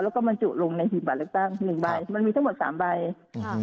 แล้วก็มันจุลงในหีดบัตรเล็กตั้งหนึ่งใบครับมันมีทั้งหมดสามใบครับ